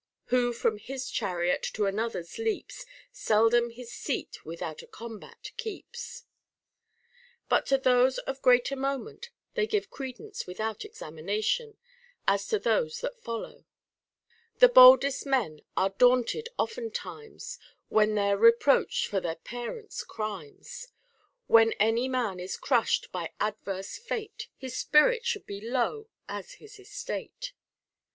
Who from his chariot to another's leaps, Seldom his seat without a combat keeps.* But to those of greater moment they give credence without examination, as to those that follow : The boldest men are daunted oftentimes, When they're reproached with their parents' crimes :t When any man is crushed by adverse fate, His spirit should be low as his estate.